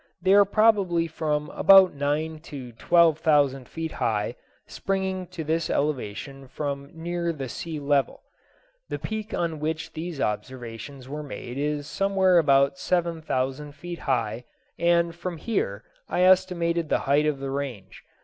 They are probably from about nine to twelve thousand feet high, springing to this elevation from near the sea level. The peak on which these observations were made is somewhere about seven thousand feet high, and from here I estimated the height of the range.